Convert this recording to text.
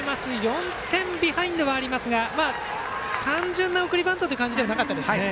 ４点ビハインドがありますが単純な送りバントという感じではなかったですね。